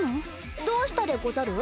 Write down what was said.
どうしたでござる？